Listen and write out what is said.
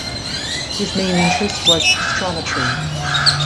His main interest was astrometry.